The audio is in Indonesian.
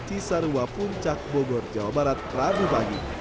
cisarua puncak bogor jawa barat rabu pagi